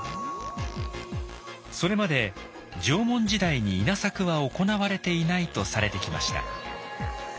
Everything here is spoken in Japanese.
それまで縄文時代に稲作は行われていないとされてきました。